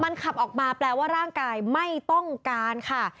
มันขับออกมาแปลว่าร่างกายไม่ต้องการค่ะ